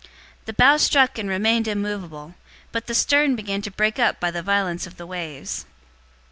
The bow struck and remained immovable, but the stern began to break up by the violence of the waves.